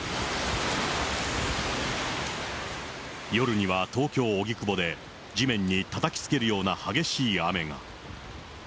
夜には東京・荻窪で地面にたたきつけるような激しい雨が。